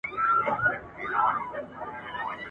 خوله خوله یمه خوږیږي مي د پښو هډونه ..